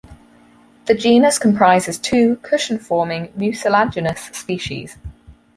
The genus comprises two cushion-forming, mucilaginous species.